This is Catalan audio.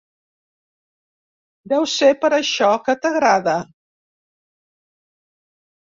Deu ser per això, que t'agrada.